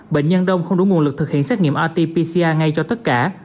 bệnh nhân đông không đủ nguồn lực thực hiện xét nghiệm rt pcr ngay cho tất cả